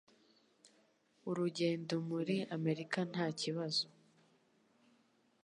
Urugendo muri Amerika ntakibazo.